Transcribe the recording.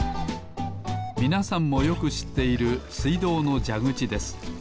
みなさんもよくしっているすいどうのじゃぐちです。